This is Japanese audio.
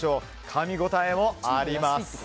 かみ応えもあります。